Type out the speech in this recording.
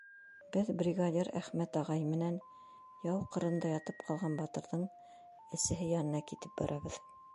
Беҙ бригадир Әхмәт ағай менән яу ҡырында ятып ҡалған батырҙың әсәһе янына китеп барабыҙ.